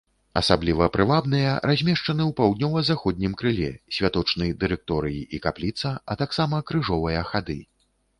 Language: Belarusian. Асабліва прывабныя, размешчаны ў паўднёва-заходнім крыле, святочны дырэкторый і капліца, а таксама крыжовыя хады.